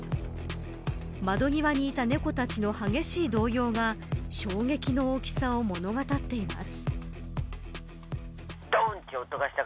窓際にいた猫たちの激しい動揺が衝撃の大きさを物語っています。